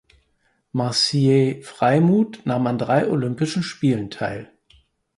Maciej Freimut nahm an drei Olympischen Spielen teil.